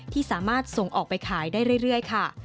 ที่สามารถส่งออกไปขายได้เรื่อยค่ะ